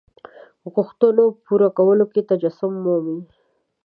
غوښتنو پوره کولو کې تجسم مومي.